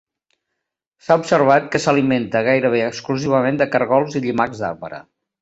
S'ha observat que s'alimenta gairebé exclusivament de cargols i llimacs d'arbre.